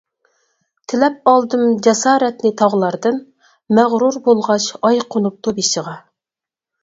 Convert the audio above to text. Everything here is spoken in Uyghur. تىلەپ ئالدىم جاسارەتنى تاغلاردىن، مەغرۇر بولغاچ ئاي قونۇپتۇ بېشىغا.